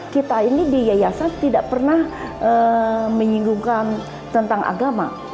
kita ini di yayasan tidak pernah menyinggungkan tentang agama